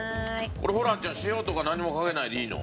これホランちゃん塩とかなんにもかけないでいいの？